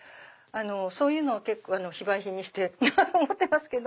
そういうのを非売品にして持ってますけど。